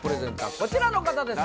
こちらの方です